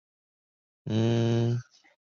策勒蒲公英为菊科蒲公英属下的一个种。